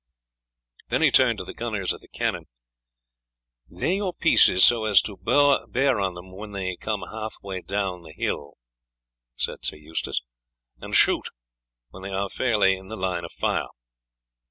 Then he turned to the gunners at the cannon. "Lay your pieces so as to bear on them when they come half way down the hill," he said, "and shoot when they are fairly in the line of fire.